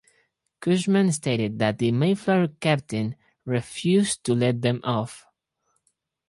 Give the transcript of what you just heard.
Cushman stated that the "Mayflower" captain refused to let them off.